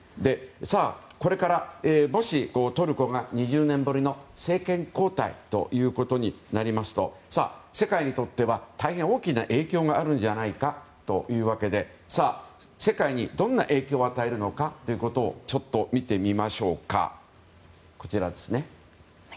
これからもし、トルコが２０年ぶりの政権交代になると世界にとっては大変大きな影響があるんじゃないかということで世界にどんな影響を与えるのかということをちょっと見てみましょうか。